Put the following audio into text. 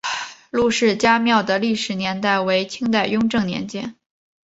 陈氏家庙的历史年代为清代雍正年间。